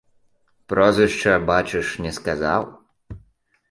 Прозвішча, бачыш, не сказаў!